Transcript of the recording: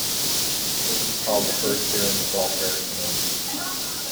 This is called the First Theorem of Welfare Economics.